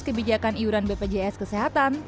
kebijakan iuran bpjs kesehatan